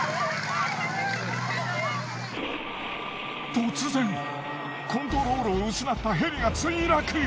突然コントロールを失ったヘリが墜落。